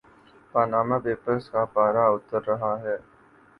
Panama papers کا پارہ اتر رہا ہے۔